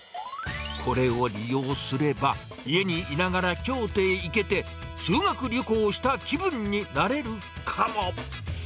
これを利用すれば、家にいながら京都へ行けて、修学旅行した気分になれるかも。